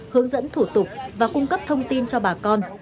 hướng dẫn thủ tục và cung cấp thông tin cho bà con